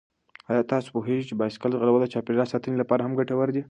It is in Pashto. آیا تاسو پوهېږئ چې بايسکل ځغلول د چاپېریال ساتنې لپاره هم ګټور دي؟